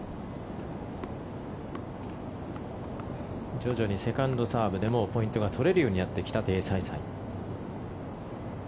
徐々にセカンドサーブでもポイントが取れるようになってきたテイ・サイサイ。